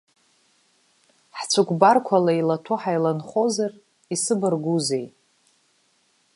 Ҳцәыкәбарқәа леилаҭәо ҳаиланхозар исыбаргәузеи!